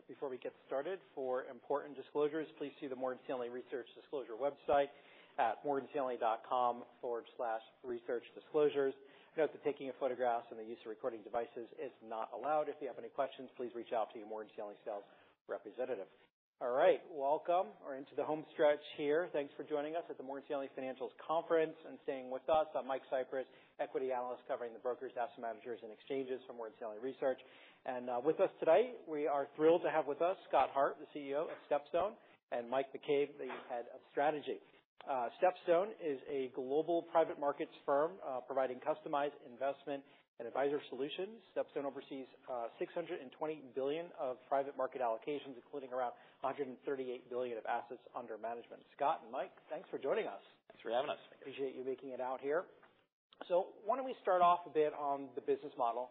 All right, before we get started, for important disclosures, please see the Morgan Stanley Research Disclosure website at morganstanley.com/researchdisclosures. Note that taking of photographs and the use of recording devices is not allowed. If you have any questions, please reach out to your Morgan Stanley sales representative. All right, welcome. We're into the home stretch here. Thanks for joining us at the Morgan Stanley Financials Conference and staying with us. I'm Mike Cyprys, equity analyst covering the brokers, asset managers, and exchanges for Morgan Stanley Research. With us today, we are thrilled to have with us Scott Hart, the CEO of StepStone, and Mike McCabe, the head of strategy. StepStone is a global private markets firm, providing customized investment and advisor solutions. StepStone oversees $620 billion of private market allocations, including around $138 billion of assets under management. Scott and Mike, thanks for joining us. Thanks for having us. Thank you. Appreciate you making it out here. Why don't we start off a bit on the business model?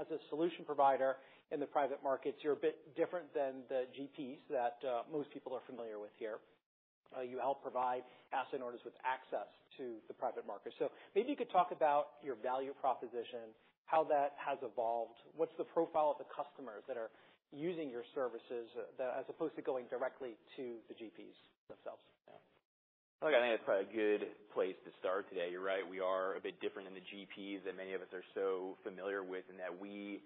As a solution provider in the private markets, you're a bit different than the GPs that most people are familiar with here. You help provide asset owners with access to the private market. Maybe you could talk about your value proposition, how that has evolved. What's the profile of the customers that are using your services, that as opposed to going directly to the GPs themselves? Yeah. Look, I think that's probably a good place to start today. You're right, we are a bit different than the GPs that many of us are so familiar with, in that we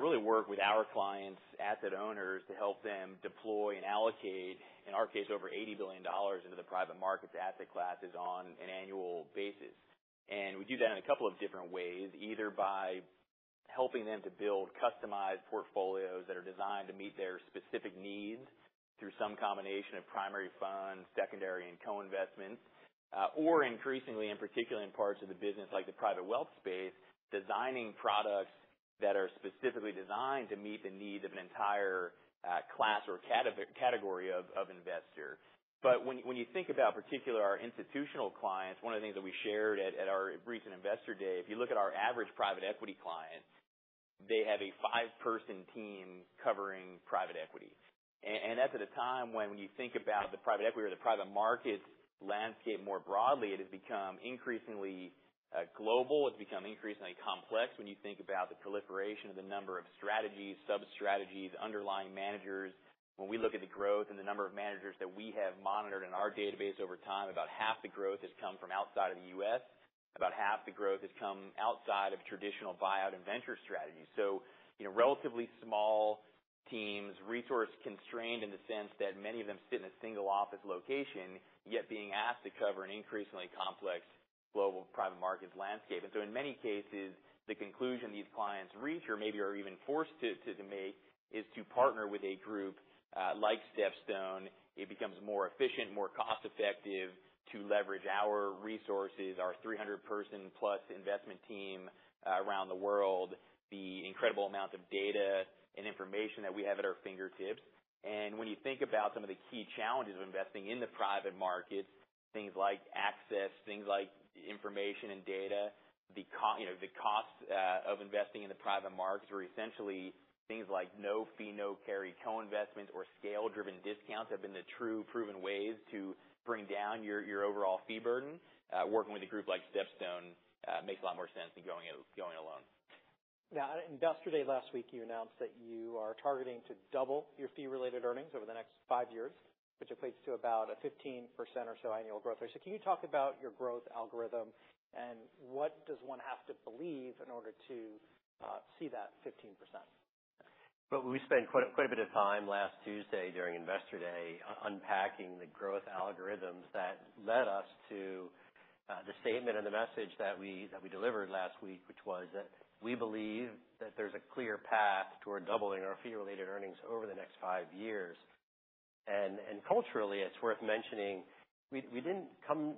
really work with our clients' asset owners to help them deploy and allocate, in our case, over $80 billion into the private markets asset classes on an annual basis. We do that in a couple of different ways, either by helping them to build customized portfolios that are designed to meet their specific needs through some combination of primary funds, secondary and co-investments. Or increasingly, in particular, in parts of the business, like the private wealth space, designing products that are specifically designed to meet the needs of an entire class or category of investor. When you think about particularly our institutional clients, one of the things that we shared at our recent Investor Day, if you look at our average private equity client, they have a five person team covering private equity. That's at a time when you think about the private equity or the private market landscape more broadly, it has become increasingly global. It's become increasingly complex when you think about the proliferation of the number of strategies, sub-strategies, underlying managers. When we look at the growth and the number of managers that we have monitored in our database over time, about half the growth has come from outside of the U.S. About half the growth has come outside of traditional buyout and venture strategies. You know, relatively small teams, resource-constrained in the sense that many of them sit in a single office location, yet being asked to cover an increasingly complex global private markets landscape. In many cases, the conclusion these clients reach, or maybe are even forced to make, is to partner with a group like StepStone. It becomes more efficient, more cost effective to leverage our resources, our 300 person plus investment team around the world, the incredible amount of data and information that we have at our fingertips. When you think about some of the key challenges of investing in the private markets, things like access, things like information and data, the you know, the cost of investing in the private markets, where essentially things like no fee, no carry co-investments or scale-driven discounts have been the true proven ways to bring down your overall fee burden. Working with a group like StepStone makes a lot more sense than going alone. At Investor Day last week, you announced that you are targeting to double your fee-related earnings over the next five years, which equates to about a 15% or so annual growth rate. Can you talk about your growth algorithm, and what does one have to believe in order to see that 15%? Well, we spent quite a bit of time last Tuesday, during Investor Day, unpacking the growth algorithms that led us to the statement and the message that we delivered last week, which was that we believe that there's a clear path toward doubling our fee-related earnings over the next five years. Culturally, it's worth mentioning, we didn't come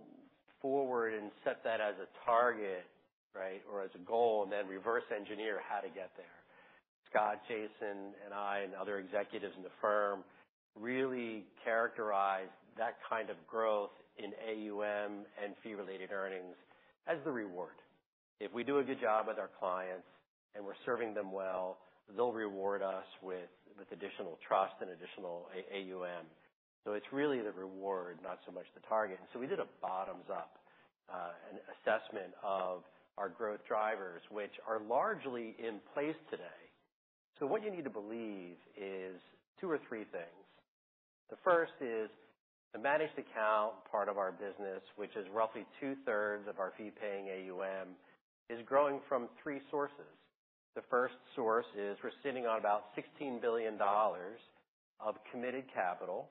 forward and set that as a target, right? As a goal, reverse engineer how to get there. Scott, Jason, and I, and other executives in the firm really characterized that kind of growth in AUM and fee-related earnings as the reward. If we do a good job with our clients and we're serving them well, they'll reward us with additional trust and additional AUM. It's really the reward, not so much the target. We did a bottoms-up an assessment of our growth drivers, which are largely in place today. What you need to believe is two or three things. The first is the managed account part of our business, which is roughly two-thirds of the Fee-Paying AUM, is growing from three sources. The first source is we're sitting on about $16 billion of committed capital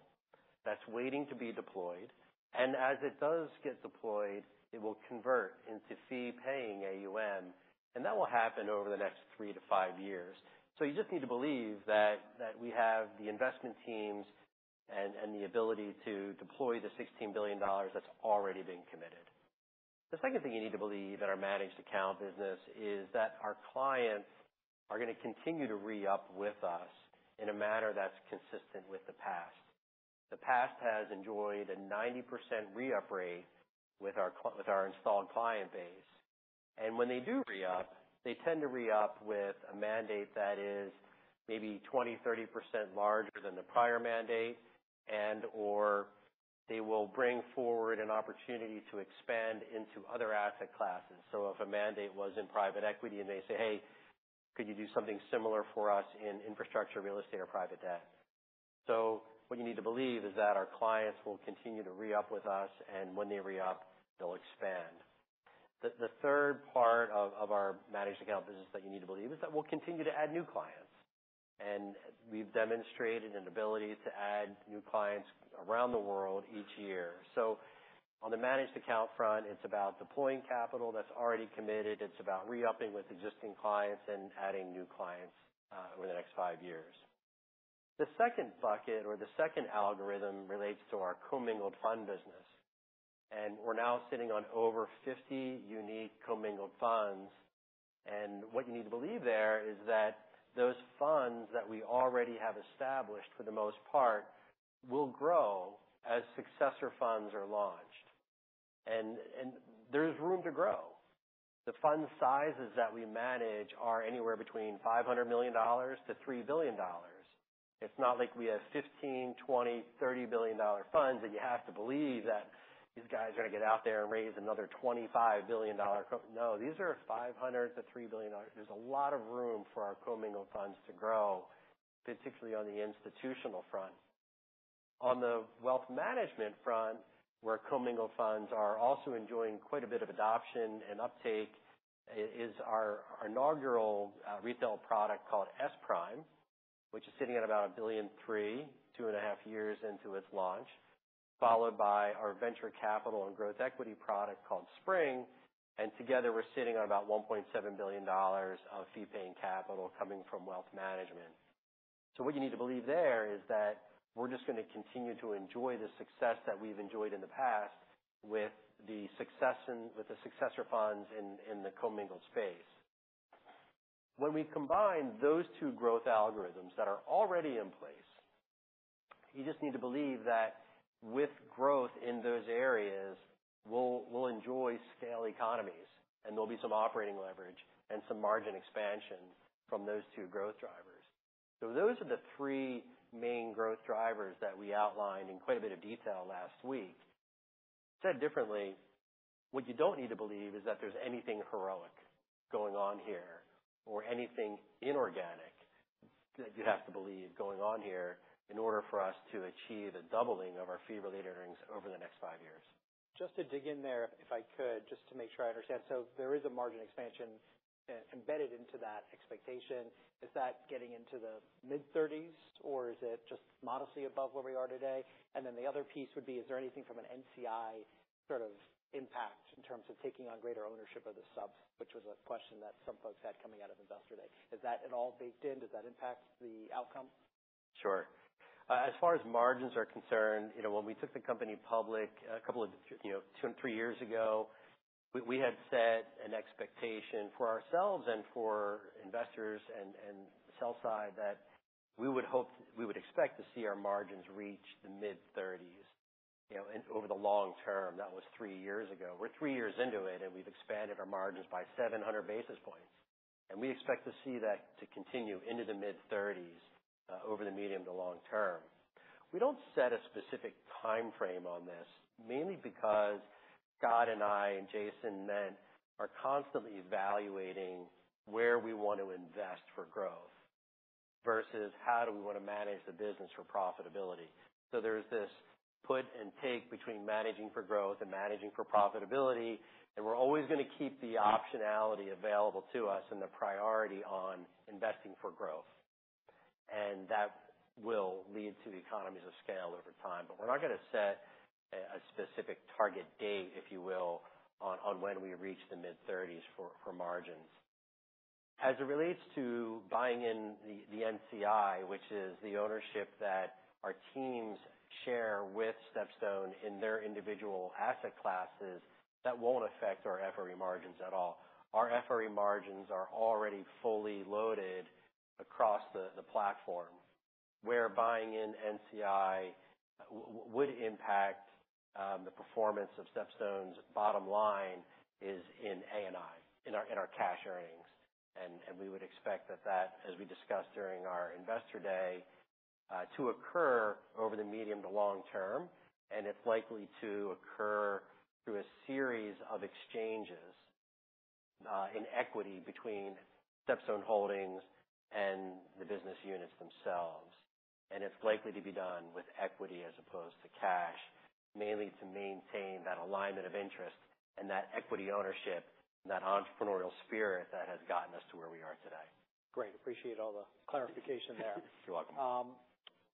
that's waiting to be deployed, and as it does get deployed, it will convert into Fee-Paying AUM, and that will happen over the next three to five years. You just need to believe that we have the investment teams and the ability to deploy the $16 billion that's already been committed. The second thing you need to believe in our managed account business is that our clients are going to continue to re-up with us in a manner that's consistent with the past. The past has enjoyed a 90% re-up rate with our installed client base. When they do re-up, they tend to re-up with a mandate that is maybe 20%, 30% larger than the prior mandate and/or they will bring forward an opportunity to expand into other asset classes. If a mandate was in private equity, and they say, "Hey, could you do something similar for us in infrastructure, real estate, or private debt?" What you need to believe is that our clients will continue to re-up with us, and when they re-up, they'll expand. The third part of our managed account business that you need to believe is that we'll continue to add new clients. We've demonstrated an ability to add new clients around the world each year. On the managed account front, it's about deploying capital that's already committed. It's about re-upping with existing clients and adding new clients over the next five years. The second bucket, or the second algorithm, relates to our commingled fund business. We're now sitting on over 50 unique commingled funds. What you need to believe there is that those funds that we already have established, for the most part, will grow as successor funds are launched. There's room to grow. The fund sizes that we manage are anywhere between $500 million-$3 billion. It's not like we have 15, 20, 30 billion dollar funds. You have to believe that these guys are going to get out there and raise another $25 billion. No, these are $500 million to $3 billion. There's a lot of room for our commingled funds to grow, particularly on the institutional front. On the wealth management front, where commingled funds are also enjoying quite a bit of adoption and uptake, is our inaugural retail product called SPRIM, which is sitting at about $1.3 billion, two and a half years into its launch. Followed by our venture capital and growth equity product called SPRING. Together, we're sitting on about $1.7 billion of fee-paying capital coming from wealth management. What you need to believe there is that we're just going to continue to enjoy the success that we've enjoyed in the past with the successor funds in the commingled space. When we combine those two growth algorithms that are already in place, you just need to believe that with growth in those areas, we'll enjoy scale economies, and there'll be some operating leverage and some margin expansion from those two growth drivers. Those are the three main growth drivers that we outlined in quite a bit of detail last week. Said differently, what you don't need to believe is that there's anything heroic going on here or anything inorganic, that you have to believe, going on here in order for us to achieve a doubling of our fee-related earnings over the next five years. Just to dig in there, if I could, just to make sure I understand. There is a margin expansion, embedded into that expectation. Is that getting into the mid-30s, or is it just modestly above where we are today? The other piece would be, is there anything from an NCI sort of impact in terms of taking on greater ownership of the subs? Which was a question that some folks had coming out of Investor Day. Is that at all baked in? Does that impact the outcome? Sure. As far as margins are concerned, you know, when we took the company public a couple of two, three years ago, we had set an expectation for ourselves and for investors and sell side, that we would expect to see our margins reach the mid-30s, you know, over the long term. That was three years ago. We're three years into it, we've expanded our margins by 700 basis points. We expect to see that to continue into the mid-30s over the medium to long term. We don't set a specific time frame on this, mainly because Scott and I and Jason then are constantly evaluating where we want to invest for growth versus how do we want to manage the business for profitability. There's this put and take between managing for growth and managing for profitability, and we're always going to keep the optionality available to us and the priority on investing for growth. That will lead to the economies of scale over time. We're not going to set a specific target date, if you will, on when we reach the mid-30s for margins. As it relates to buying in the NCI, which is the ownership that our teams share with StepStone in their individual asset classes, that won't affect our FRE margins at all. Our FRE margins are already fully loaded across the platform. Where buying in NCI would impact the performance of StepStone's bottom line is in ANI, in our cash earnings. We would expect that, as we discussed during our Investor Day, to occur over the medium to long term, and it's likely to occur through a series of exchanges in equity between StepStone Holdings and the business units themselves. It's likely to be done with equity as opposed to cash, mainly to maintain that alignment of interest and that equity ownership and that entrepreneurial spirit that has gotten us to where we are today. Great. Appreciate all the clarification there. You're welcome.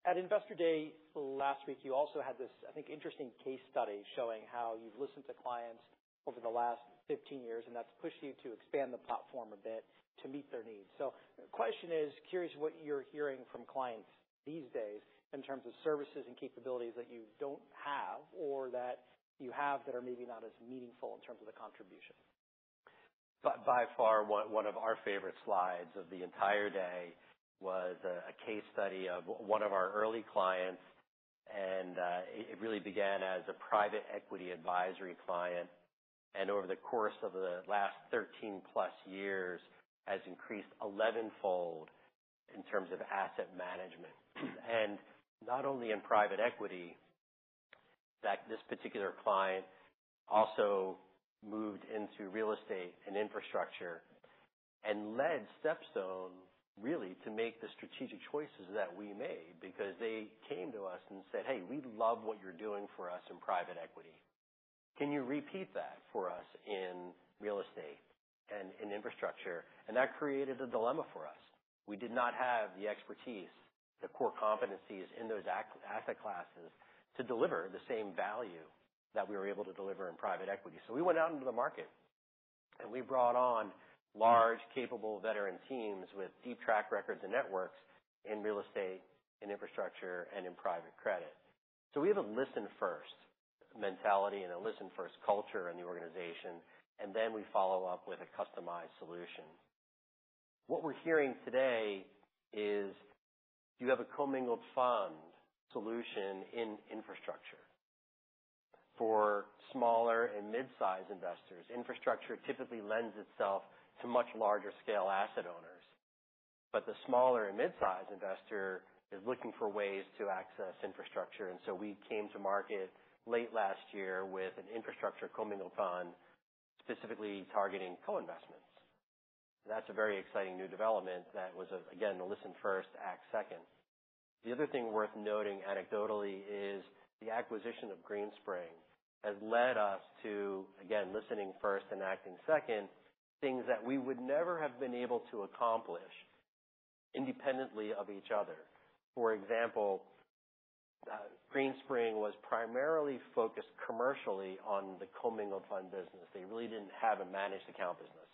At Investor Day last week, you also had this, I think, interesting case study showing how you've listened to clients over the last 15 years, and that's pushed you to expand the platform a bit to meet their needs. The question is, curious what you're hearing from clients these days in terms of services and capabilities that you don't have or that you have that are maybe not as meaningful in terms of the contribution? By far, one of our favorite slides of the entire day was a case study of one of our early clients, it really began as a private equity advisory client. Over the course of the last 13 plus years, has increased 11-fold in terms of asset management. Not only in private equity, in fact, this particular client also moved into real estate and infrastructure, and led StepStone really to make the strategic choices that we made. They came to us and said, "Hey, we love what you're doing for us in private equity. Can you repeat that for us in real estate and in infrastructure?" That created a dilemma for us. We did not have the expertise, the core competencies in those asset classes, to deliver the same value that we were able to deliver in private equity. We went out into the market, and we brought on large, capable, veteran teams with deep track records and networks in real estate and infrastructure and in private credit. We have a listen-first mentality and a listen-first culture in the organization, and then we follow up with a customized solution. What we're hearing today is, you have a commingled fund solution in infrastructure. For smaller and mid-size investors, infrastructure typically lends itself to much larger scale asset owners. The smaller and mid-size investor is looking for ways to access infrastructure, and so we came to market late last year with an infrastructure commingled fund, specifically targeting co-investments. That's a very exciting new development that was, again, a listen first, act second. The other thing worth noting anecdotally is the acquisition of Greenspring has led us to, again, listening first and acting second, things that we would never have been able to accomplish independently of each other. For example, Greenspring was primarily focused commercially on the commingled fund business. They really didn't have a managed account business.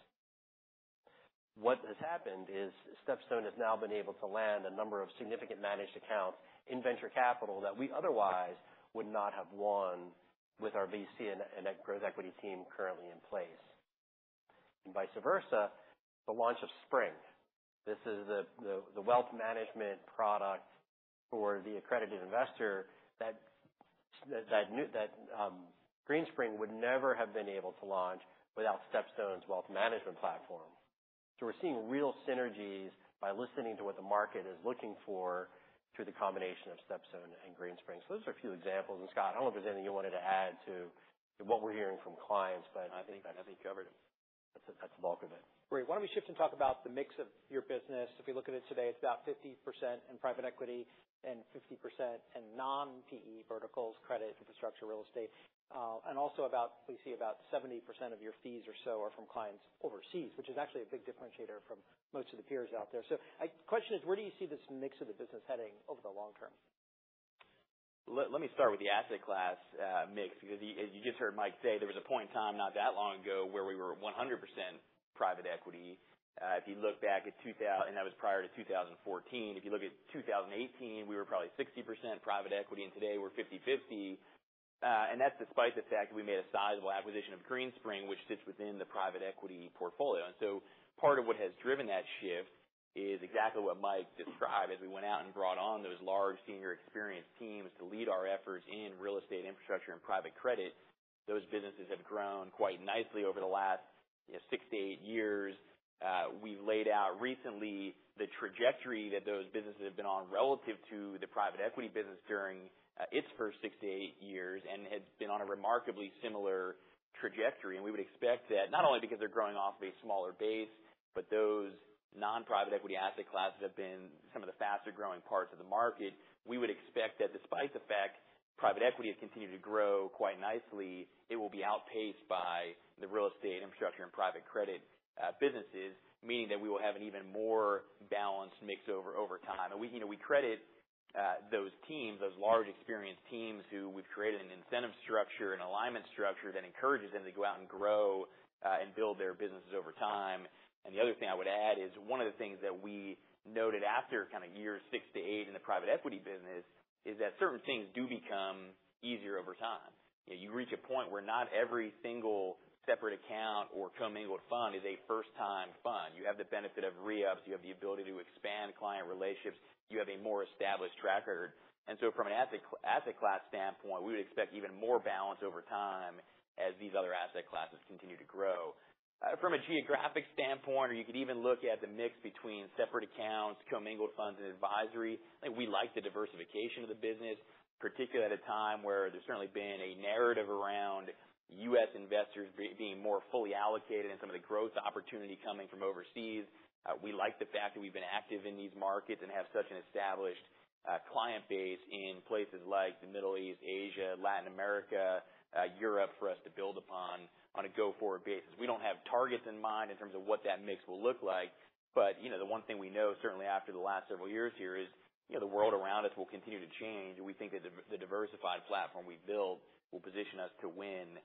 What has happened is, StepStone has now been able to land a number of significant managed accounts in venture capital that we otherwise would not have won with our VC and growth equity team currently in place. Vice versa, the launch of SPRING. This is the wealth management product for the accredited investor that that Greenspring would never have been able to launch without StepStone's wealth management platform. We're seeing real synergies by listening to what the market is looking for through the combination of StepStone and Greenspring. Those are a few examples. Scott, I don't know if there's anything you wanted to add to what we're hearing from clients, but I think I covered it. That's the bulk of it. Great. Why don't we shift and talk about the mix of your business? If you look at it today, it's about 50% in private equity and 50% in non-PE verticals: credit, infrastructure, real estate. Also we see about 70% of your fees or so are from clients overseas, which is actually a big differentiator from most of the peers out there. My question is: where do you see this mix of the business heading over the long term? Let me start with the asset class mix, because as you just heard Mike say, there was a point in time, not that long ago, where we were 100% private equity. If you look back, that was prior to 2014. If you look at 2018, we were probably 60% private equity, and today we're 50/50. That's despite the fact that we made a sizable acquisition of Greenspring Associates, which sits within the private equity portfolio. Part of what has driven that shift is exactly what Mike described, as we went out and brought on those large, senior experienced teams to lead our efforts in real estate, infrastructure, and private credit. Those businesses have grown quite nicely over the last, you know, six to eight years. We've laid out recently the trajectory that those businesses have been on relative to the private equity business during its first six to eight years, and has been on a remarkably similar trajectory. We would expect that, not only because they're growing off of a smaller base, but those non-private equity asset classes have been some of the faster growing parts of the market. We would expect that despite the fact private equity has continued to grow quite nicely, it will be outpaced by the real estate, infrastructure, and private credit businesses, meaning that we will have an even more balanced mix over time. We, you know, we credit those teams, those large, experienced teams, who we've created an incentive structure and alignment structure that encourages them to go out and grow and build their businesses over time. The other thing I would add is, one of the things that we noted after kind of years six to eight in the private equity business, is that certain things do become easier over time. You reach a point where not every single separate account or commingled fund is a first-time fund. You have the benefit of re-ups. You have the ability to expand client relationships. You have a more established track record. From an asset class standpoint, we would expect even more balance over time as these other asset classes continue to grow. From a geographic standpoint, or you could even look at the mix between separate accounts, commingled funds, and advisory, I think we like the diversification of the business, particularly at a time where there's certainly been a narrative around U.S. investors being more fully allocated and some of the growth opportunity coming from overseas. We like the fact that we've been active in these markets and have such an established client base in places like the Middle East, Asia, Latin America, Europe, for us to build upon on a go-forward basis. We don't have targets in mind in terms of what that mix will look like, but, you know, the one thing we know, certainly after the last several years here is, you know, the world around us will continue to change, and we think that the diversified platform we've built will position us to win,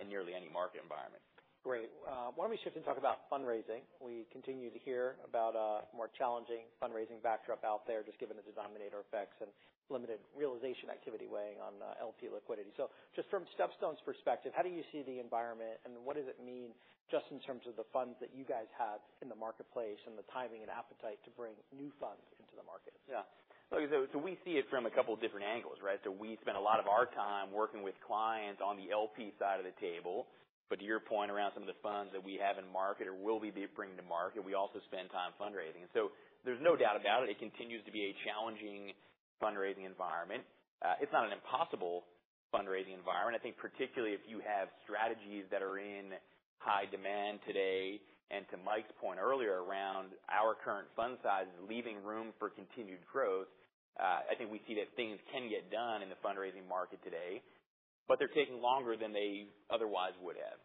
in nearly any market environment. Great. Why don't we shift and talk about fundraising? We continue to hear about a more challenging fundraising backdrop out there, just given the denominator effects and limited realization activity weighing on LP liquidity. Just from StepStone's perspective, how do you see the environment, and what does it mean just in terms of the funds that you guys have in the marketplace and the timing and appetite to bring new funds into the market? Yeah. We see it from a couple different angles, right? We spend a lot of our time working with clients on the LP side of the table. To your point around some of the funds that we have in market or will be bringing to market, we also spend time fundraising. There's no doubt about it continues to be a challenging fundraising environment. It's not an impossible fundraising environment. I think particularly if you have strategies that are in high demand today, and to Mike's point earlier, around our current fund size, leaving room for continued growth, I think we see that things can get done in the fundraising market today, but they're taking longer than they otherwise would have.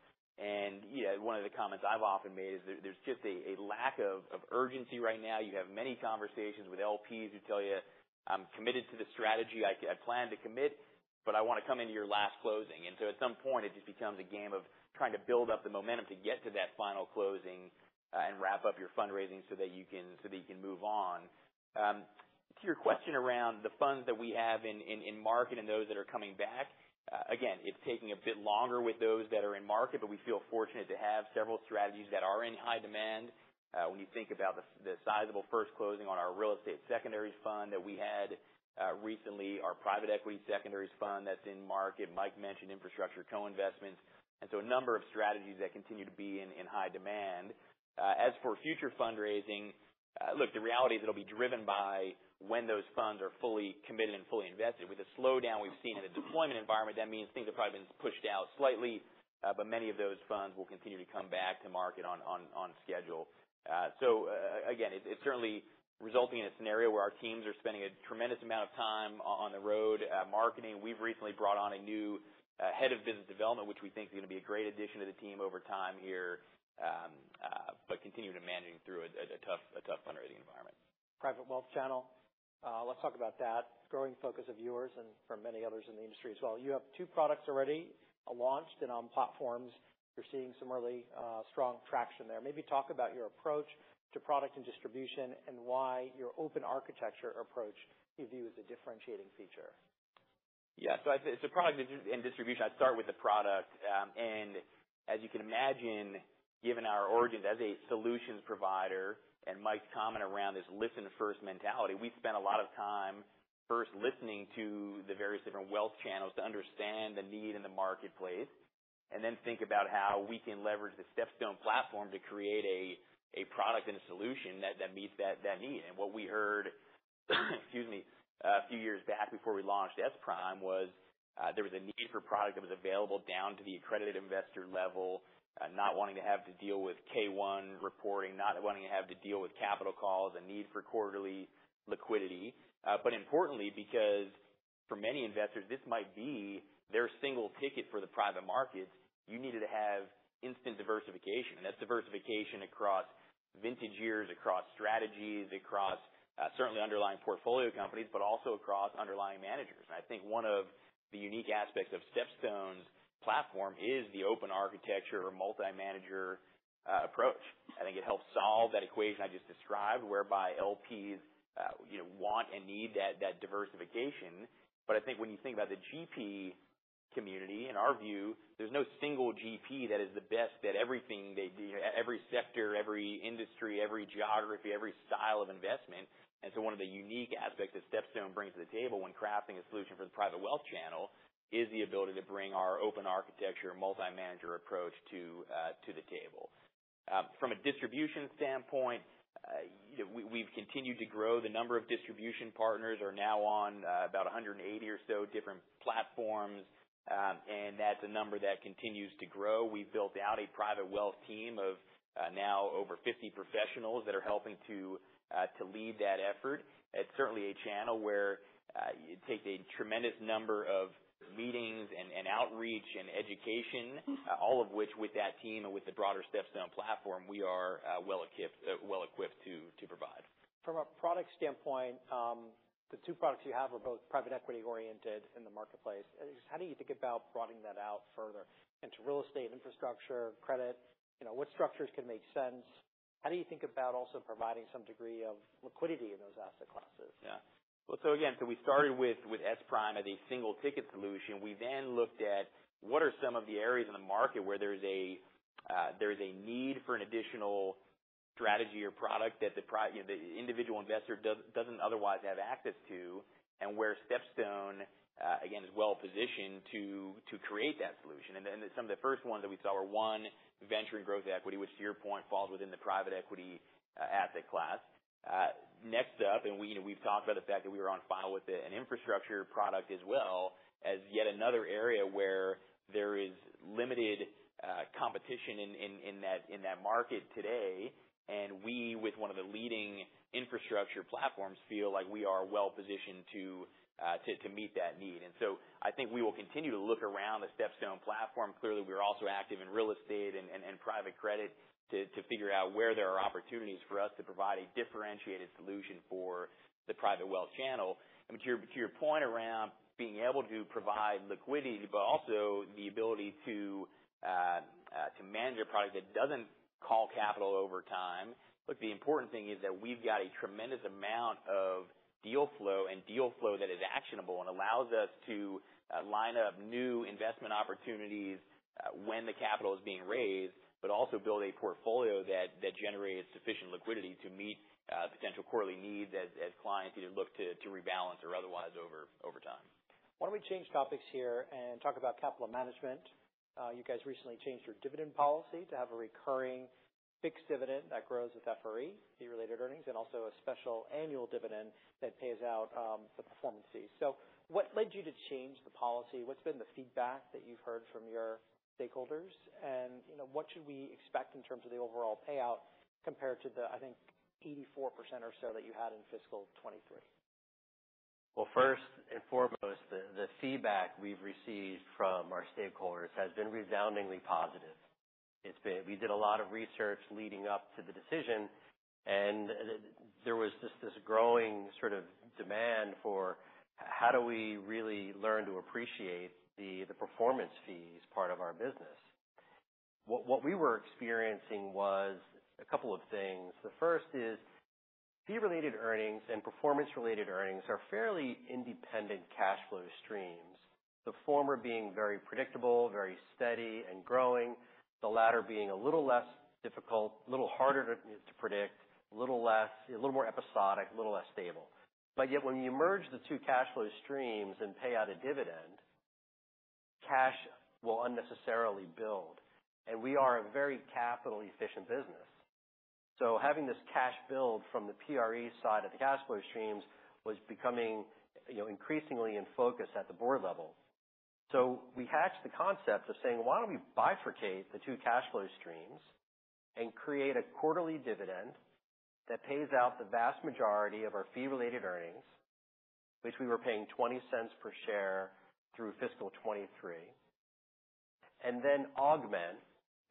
You know, one of the comments I've often made is there's just a lack of urgency right now. You have many conversations with LPs who tell you, "I'm committed to the strategy. I plan to commit, but I wanna come into your last closing." At some point, it just becomes a game of trying to build up the momentum to get to that final closing and wrap up your fundraising so that you can move on. To your question around the funds that we have in market and those that are coming back, again, it's taking a bit longer with those that are in market, but we feel fortunate to have several strategies that are in high demand. When you think about the sizable first closing on our real estate secondaries fund that we had recently, our private equity secondaries fund that's in market. Mike mentioned infrastructure co-investments, a number of strategies that continue to be in high demand. As for future fundraising, look, the reality is it'll be driven by when those funds are fully committed and fully invested. With the slowdown we've seen in the deployment environment, that means things have probably been pushed out slightly, but many of those funds will continue to come back to market on schedule. Again, it's certainly resulting in a scenario where our teams are spending a tremendous amount of time on the road, marketing. We've recently brought on a new, head of business development, which we think is gonna be a great addition to the team over time here, but continuing to managing through a tough fundraising environment. Private wealth channel, let's talk about that growing focus of yours and for many others in the industry as well. You have two products already launched and on platforms. You're seeing some really strong traction there. Maybe talk about your approach to product and distribution and why your open architecture approach you view as a differentiating feature. I'd say product and distribution, I'd start with the product. As you can imagine, given our origins as a solutions provider, and Mike's comment around this listen first mentality, we've spent a lot of time first listening to the various different wealth channels to understand the need in the marketplace, and then think about how we can leverage the StepStone platform to create a product and a solution that meets that need. What we heard, excuse me, a few years back before we launched SPRIM, was there was a need for product that was available down to the accredited investor level, not wanting to have to deal with K-1 reporting, not wanting to have to deal with capital calls, a need for quarterly liquidity. Importantly, because for many investors, this might be their single ticket for the private markets, you needed to have instant diversification. That's diversification across vintage years, across strategies, across certainly underlying portfolio companies, also across underlying managers. I think one of the unique aspects of StepStone's platform is the open architecture or multi-manager approach. I think it helps solve that equation I just described, whereby LPs, you know, want and need that diversification. I think when you think about the GP community, in our view, there's no single GP that is the best at everything they do, every sector, every industry, every geography, every style of investment. One of the unique aspects that StepStone brings to the table when crafting a solution for the private wealth channel, is the ability to bring our open architecture multi-manager approach to the table. From a distribution standpoint, you know, we've continued to grow. The number of distribution partners are now on about 180 or so different platforms, and that's a number that continues to grow. We've built out a private wealth team of now over 50 professionals that are helping to lead that effort. It's certainly a channel where it takes a tremendous number of meetings and outreach, and education, all of which, with that team and with the broader StepStone platform, we are well equipped to provide. From a product standpoint, the two products you have are both private equity oriented in the marketplace. How do you think about broadening that out further into real estate, infrastructure, credit? You know, what structures can make sense? How do you think about also providing some degree of liquidity in those asset classes? Again, we started with SPRIM as a single ticket solution. We looked at what are some of the areas in the market where there's a need for an additional strategy or product that you know, the individual investor doesn't otherwise have access to, and where StepStone again, is well positioned to create that solution? Some of the first ones that we saw were, one, venture and growth equity, which to your point, falls within the private equity asset class. Next up, we've talked about the fact that we were on file with an infrastructure product as well, as yet another area where there is limited competition in that market today. We, with one of the leading infrastructure platforms, feel like we are well positioned to meet that need. I think we will continue to look around the StepStone platform. Clearly, we're also active in real estate and private credit to figure out where there are opportunities for us to provide a differentiated solution for the private wealth channel. To your, to your point around being able to provide liquidity, but also the ability to manage a product that doesn't call capital over time. The important thing is that we've got a tremendous amount of deal flow, and deal flow that is actionable and allows us to line up new investment opportunities when the capital is being raised, but also build a portfolio that generates sufficient liquidity to meet potential quarterly as clients either look to rebalance or otherwise over time. Why don't we change topics here and talk about capital management? You guys recently changed your dividend policy to have a recurring fixed dividend that grows with FRE, fee-related earnings, and also a special annual dividend that pays out the performance fee. What led you to change the policy? What's been the feedback that you've heard from your stakeholders? And, you know, what should we expect in terms of the overall payout compared to the, I think, 84% or so that you had in fiscal 2023? Well, first and foremost, the feedback we've received from our stakeholders has been resoundingly positive. It's been we did a lot of research leading up to the decision, and there was just this growing sort of demand for how do we really learn to appreciate the performance fees part of our business. What we were experiencing was a couple of things. The first is, fee-related earnings and performance-related earnings are fairly independent cash flow streams. The former being very predictable, very steady and growing, the latter being a little less difficult, a little harder to predict, a little less a little more episodic, a little less stable. Yet, when you merge the two cash flow streams and pay out a dividend, cash will unnecessarily build, and we are a very capital-efficient business. Having this cash build from the PRE side of the cash flow streams was becoming, you know, increasingly in focus at the board level. We hatched the concept of saying: Why don't we bifurcate the two cash flow streams and create a quarterly dividend that pays out the vast majority of our fee-related earnings, which we were paying $0.20 per share through fiscal 2023, and then augment.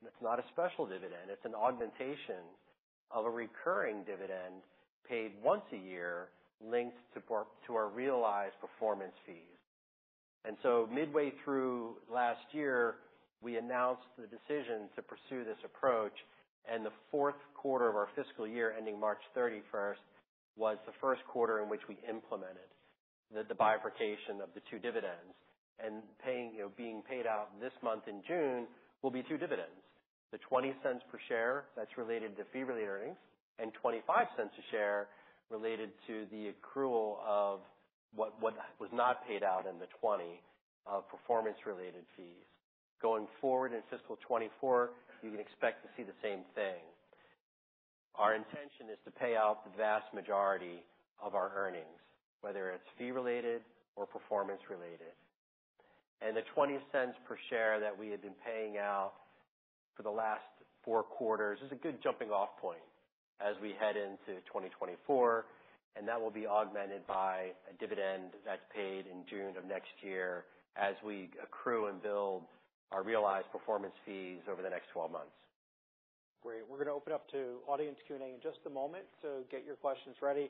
It's not a special dividend, it's an augmentation of a recurring dividend paid once a year, linked to our realized performance fees. Midway through last year, we announced the decision to pursue this approach, and the fourth quarter of our fiscal year, ending March 31st, was the first quarter in which we implemented the bifurcation of the two dividends. Paying, you know, being paid out this month in June, will be two dividends: the $0.20 per share that's related to fee-related earnings, and $0.25 a share related to the accrual of what was not paid out in the 20 performance-related fees. Going forward in fiscal 2024, you can expect to see the same thing. Our intention is to pay out the vast majority of our earnings, whether it's fee-related or performance-related. The $0.20 per share that we have been paying out for the last four quarters is a good jumping off point as we head into 2024, and that will be augmented by a dividend that's paid in June of next year, as we accrue and build our realized performance fees over the next 12 months. Great. We're gonna open up to audience Q and A in just a moment, so get your questions ready.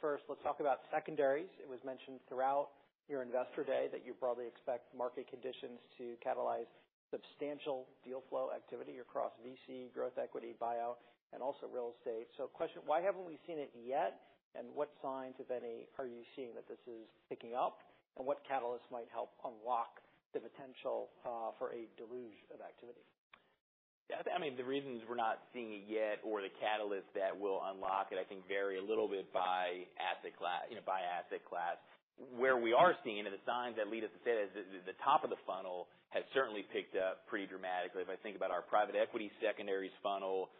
First, let's talk about secondaries. It was mentioned throughout your Investor Day that you broadly expect market conditions to catalyze substantial deal flow activity across VC, growth equity, buyout, and also real estate. Question: Why haven't we seen it yet? What signs, if any, are you seeing that this is picking up? What catalysts might help unlock the potential for a deluge of activity? Yeah, I mean, the reasons we're not seeing it yet, or the catalyst that will unlock it, I think, vary a little bit by asset class, you know, by asset class. Where we are seeing, the signs that lead us to say that the top of the funnel has certainly picked up pretty dramatically. If I think about our private equity secondaries funnel,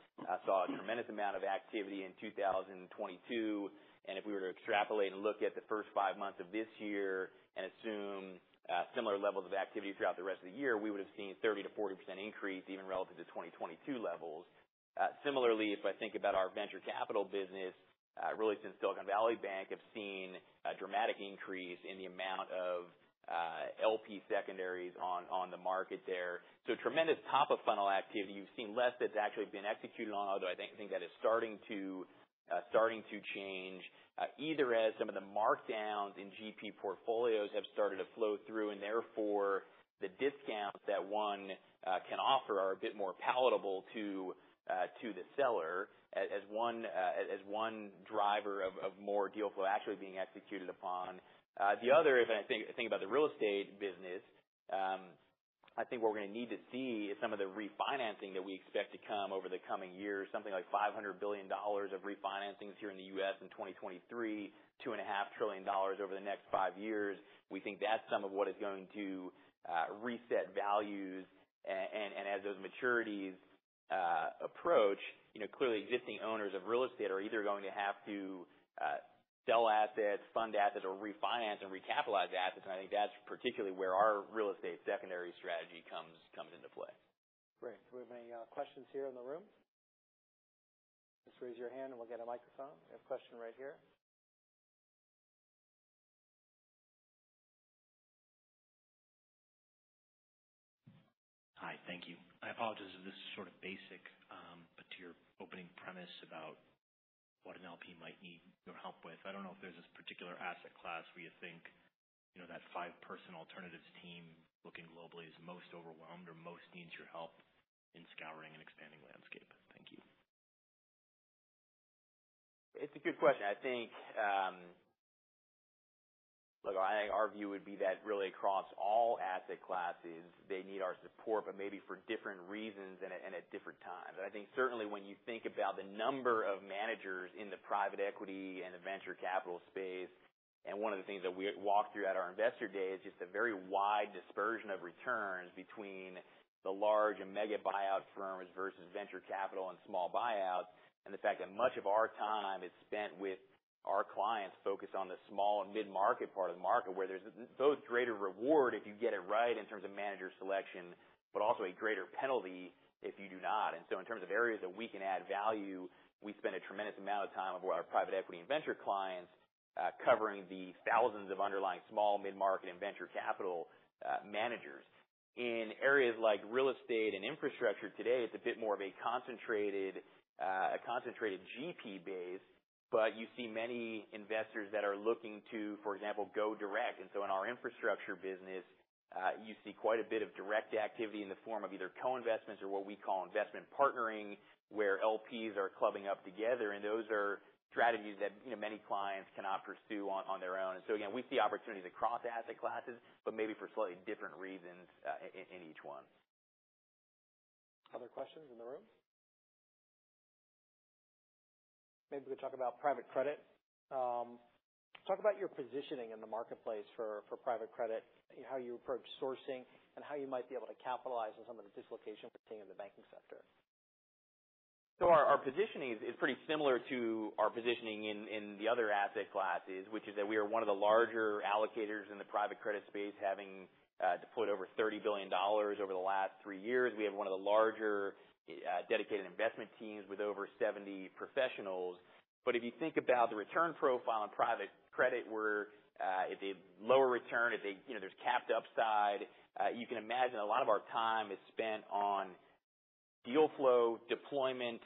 saw a tremendous amount of activity in 2022, and if we were to extrapolate and look at the first five months of this year and assume similar levels of activity throughout the rest of the year, we would've seen 30%-40% increase even relative to 2022 levels. Similarly, if I think about our venture capital business, really since Silicon Valley Bank, have seen a dramatic increase in the amount of LP secondaries on the market there. Tremendous top-of-funnel activity. We've seen less that's actually been executed on, although I think that is starting to change either as some of the markdowns in GP portfolios have started to flow through, and therefore, the discounts that one can offer are a bit more palatable to the seller, as one driver of more deal flow actually being executed upon. The other, if I think about the real estate business, I think what we're gonna need to see is some of the refinancing that we expect to come over the coming years. Something like $500 billion of refinancing here in the U.S. in 2023, two and a half trillion dollars over the next five years. We think that's some of what is going to reset values. And as those maturities approach, you know, clearly existing owners of real estate are either going to have to sell assets, fund assets or refinance and recapitalize the assets, and I think that's particularly where our real estate secondary strategy comes into play. Great. Do we have any questions here in the room? Just raise your hand and we'll get a microphone. We have a question right here. Hi, thank you. I apologize if this is sort of basic, to your opening premise about what an LP might need your help with, I don't know if there's this particular asset class where you think, you know, that five-person alternatives team looking globally is most overwhelmed or most needs your help in scouring and expanding landscape. Thank you. It's a good question. I think, look, I think our view would be that really across all asset classes, they need our support, but maybe for different reasons and at different times. I think certainly when you think about the number of managers in the private equity and the venture capital space, and one of the things that we had walked through at our Investor Day is just a very wide dispersion of returns between the large and mega buyout firms versus venture capital and small buyouts. The fact that much of our time is spent with our clients focused on the small and mid-market part of the market, where there's both greater reward if you get it right in terms of manager selection, but also a greater penalty if you do not. In terms of areas that we can add value, we spend a tremendous amount of time with our private equity and venture clients, covering the thousands of underlying small, mid-market, and venture capital managers. In areas like real estate and infrastructure today, it's a bit more of a concentrated GP base, but you see many investors that are looking to, for example, go direct. In our infrastructure business, you see quite a bit of direct activity in the form of either co-investments or what we call investment partnership, where LPs are clubbing up together, and those are strategies that, you know, many clients cannot pursue on their own. Again, we see opportunities across asset classes, but maybe for slightly different reasons, in each one. Other questions in the room? Maybe we can talk about private credit. Talk about your positioning in the marketplace for private credit, how you approach sourcing, and how you might be able to capitalize on some of the dislocation we're seeing in the banking sector. Our positioning is pretty similar to our positioning in the other asset classes, which is that we are one of the larger allocators in the private credit space, having deployed over $30 billion over the last three years. We have one of the larger dedicated investment teams with over 70 professionals. If you think about the return profile in private credit, where it's a lower return, You know, there's capped upside. You can imagine a lot of our time is spent on deal flow, deployment,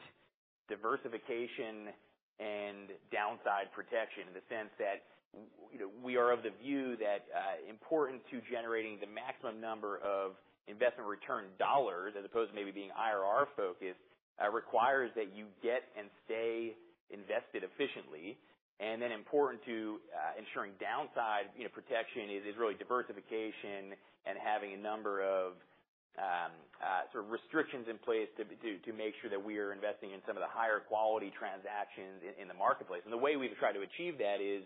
diversification, and downside protection, in the sense that we are of the view that important to generating the maximum number of investment return dollars, as opposed to maybe being IRR-focused, requires that you get and stay invested efficiently. Important to ensuring downside, you know, protection is really diversification and having a number of sort of restrictions in place to make sure that we are investing in some of the higher quality transactions in the marketplace. The way we've tried to achieve that is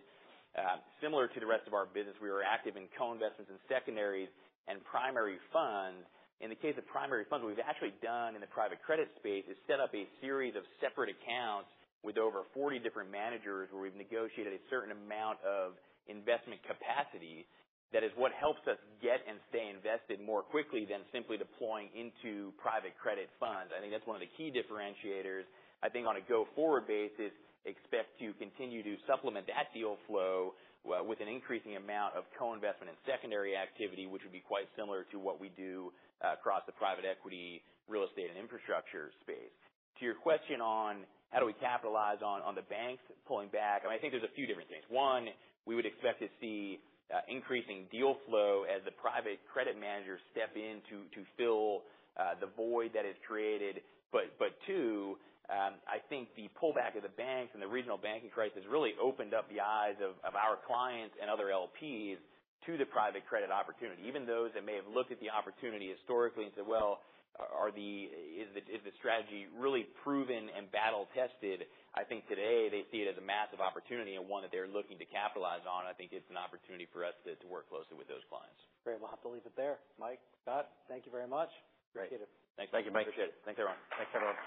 similar to the rest of our business. We are active in co-investments in secondaries and primary funds. In the case of primary funds, what we've actually done in the private credit space is set up a series of separate accounts with over 40 different managers, where we've negotiated a certain amount of investment capacity. That is what helps us get and stay invested more quickly than simply deploying into private credit funds. I think that's one of the key differentiators. I think on a go-forward basis, expect to continue to supplement that deal flow with an increasing amount of co-investment and secondary activity, which would be quite similar to what we do across the private equity, real estate, and infrastructure space. To your question on how do we capitalize on the banks pulling back, I think there's a few different things. One, we would expect to see increasing deal flow as the private credit managers step in to fill the void that is created. Two, I think the pullback of the banks and the regional banking crisis really opened up the eyes of our clients and other LPs to the private credit opportunity. Even those that may have looked at the opportunity historically and said, "Well, is the strategy really proven and battle-tested?" I think today they see it as a massive opportunity and one that they're looking to capitalize on. I think it's an opportunity for us to work closely with those clients. Great. We'll have to leave it there. Mike, Scott, thank you very much. Great. Thank you. Thank you, Mike. Thanks, everyone.